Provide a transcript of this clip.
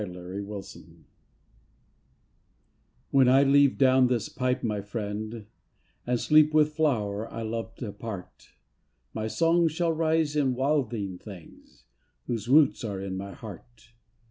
AT A POET'S GRAVE When I leave down this pipe my friend And sleep with flower I loved, apart, My songs shall rise in wilding things Whose roots are in my heart.